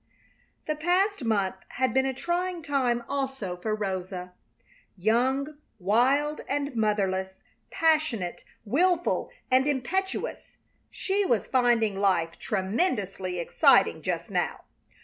The past month had been a trying time also for Rosa. Young, wild, and motherless, passionate, wilful and impetuous, she was finding life tremendously exciting just now.